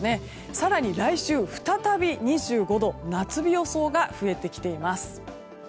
更に来週は再び２５度、夏日予想が増えてきています。